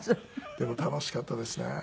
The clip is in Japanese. でも楽しかったですね。